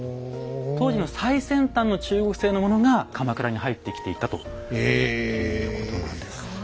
当時の最先端の中国製のものが鎌倉に入ってきていたということなんです。